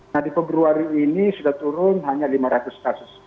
nah di februari ini sudah turun hanya lima ratus kasus